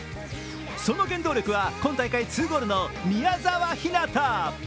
その原動力は今大会２ゴールの宮澤ひなた。